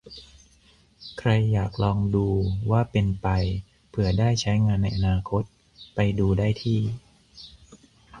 ใครอยากลองดูว่าเป็นไป เผื่อได้ใช้งานในอนาคต ไปดูได้ที่